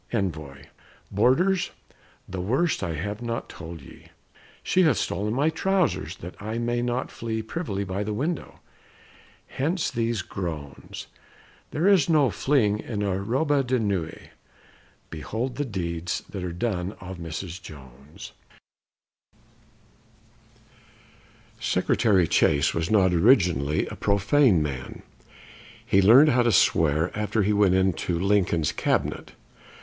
Envoy Boarders! the worst I have not told to ye: She hath stolen my trousers, that I may not flee Privily by the window. Hence these groans, There is no fleeing in a robe de nuit. Behold the deeds that are done of Mrs. Jones! By permission of Charles Scribner's Sons Secretary Chase was not originally a profane man. He learned how to swear after he went into Lincoln's Cabinet.